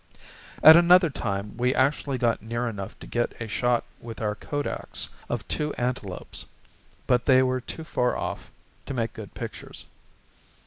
At another time we actually got near enough to get a shot with our kodaks at two antelopes; but they were too far off to make good pictures.